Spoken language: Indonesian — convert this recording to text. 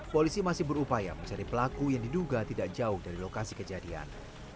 polisi masih berupaya mencari pelaku yang diduga tidak jauh dari lokasi kejadian